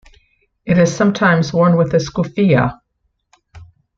It is sometimes worn with a skufia.